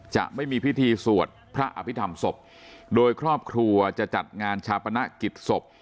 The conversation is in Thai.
จะไม่มีพิธีสวดพระอภิษฐรรมศพโดยครอบครัวจะจัดงานชาปนกิจศพ